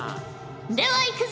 ではいくぞ